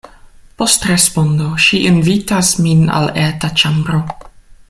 Post respondo, ŝi invitas min al eta ĉambro.